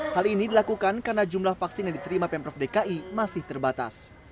hal ini dilakukan karena jumlah vaksin yang diterima pemprov dki masih terbatas